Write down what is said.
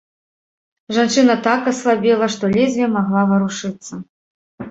Жанчына так аслабела, што ледзьве магла варушыцца.